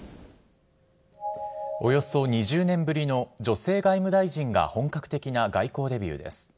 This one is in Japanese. およそ２０年ぶりの女性外務大臣が本格的な外交デビューです。